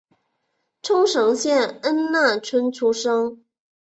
冲绳县恩纳村出身。